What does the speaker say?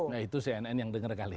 nah itu cnn yang dengar kali ini